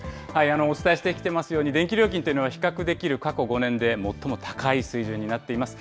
お伝えしてきていますように、電気料金というのは比較できる過去５年で最も高い水準になっています。